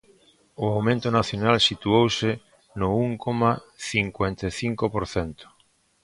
O aumento nacional situouse no un coma cincuenta e cinco por cento.